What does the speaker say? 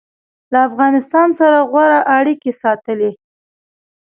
له افغانستان سره غوره اړیکې ساتلي